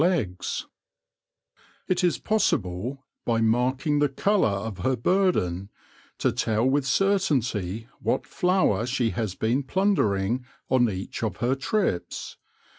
AT THE CITY GATES 39 It is possible, by marking the colour of her burden, to tell with certainty what flower she has been plun dering on each of her trips.